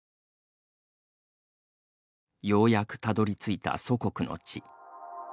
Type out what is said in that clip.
ようやくたどりついた祖国の地。